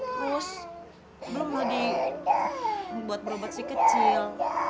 terus belum lagi buat berobat si kecil